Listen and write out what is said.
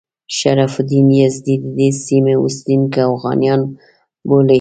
شرف الدین یزدي د دې سیمې اوسیدونکي اوغانیان بولي.